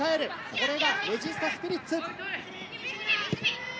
これがレジスタスピリッツ。